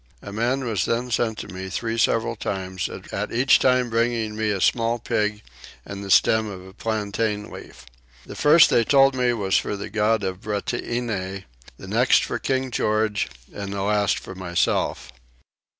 A man was then sent to me three several times, at each time bringing me a small pig and the stem of a plantain leaf. The first they told me was for the God of Brittannee, the next for King George, and the last for myself.